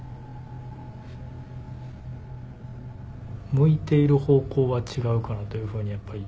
向いている方向は違うかなというふうに。